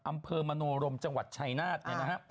อำเภอมโนรมจังหวัดชัยนาฏนะครับ